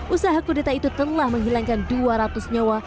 usaha kudeta itu telah menghilangkan dua ratus nyawa